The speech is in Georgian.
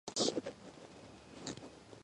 ანტენები არა აქვთ.